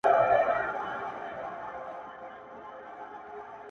د قصاب له سترګو بلي خواته ګوره٫